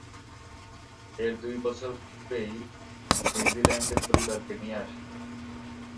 এর দুই বছর পূর্বেই নিউজিল্যান্ডে পরিবারকে নিয়ে আসেন।